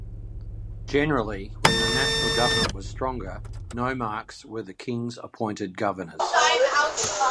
Generally, when the national government was stronger, nomarchs were the king's appointed governors.